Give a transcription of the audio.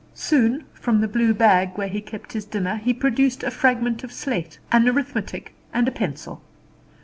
Soon, from the blue bag where he kept his dinner, he produced a fragment of slate, an arithmetic, and a pencil.